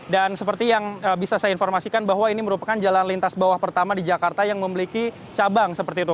dan seperti yang bisa saya informasikan bahwa ini merupakan jalan lintas bawah pertama di jakarta yang memiliki cabang seperti itu